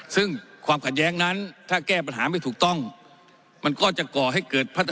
ซึ่งความขัดแย้งนั้นถ้าแก้ปัญหาไม่ถูกต้องมันก็จะก่อให้เกิดพัฒนาสู่ความขัดแย้งที่